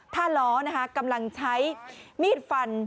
ท่าล้อกำลังใช้มีดฟัน